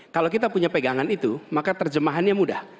kalau kita punya pegangan itu maka terjemahannya mudah